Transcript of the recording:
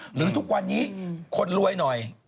หรือทุกวันนี้คนรวยหน่อย